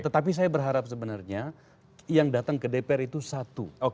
tetapi saya berharap sebenarnya yang datang ke dpr itu satu